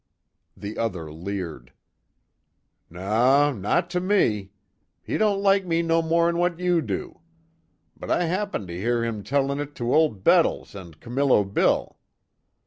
The other leered: "Naw, not to me. He don't like me no more'n what you do. But, I happened to hear him tellin' it to Old Bettles an' Camillo Bill.